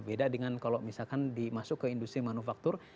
beda dengan kalau misalkan dimasuk ke industri manufaktur